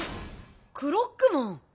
クロックモン！